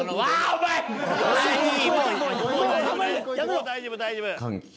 もう大丈夫大丈夫。